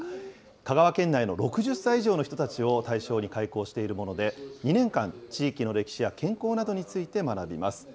香川県内の６０歳以上の人たちを対象に開講しているもので、２年間、地域の歴史や健康などについて学びます。